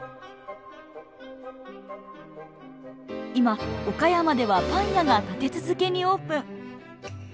今岡山ではパン屋が立て続けにオープン。